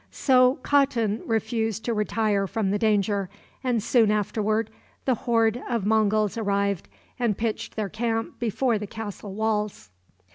So Khatun refused to retire from the danger, and soon afterward the horde of Monguls arrived, and pitched their camp before the castle walls.